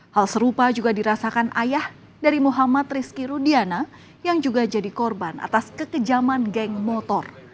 hal serupa juga dirasakan ayah dari muhammad rizky rudiana yang juga jadi korban atas kekejaman geng motor